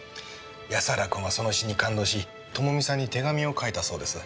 安原君はその詩に感動し朋美さんに手紙を書いたそうです。